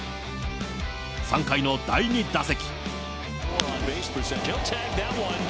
３回の第２打席。